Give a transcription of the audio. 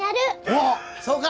おおそうか！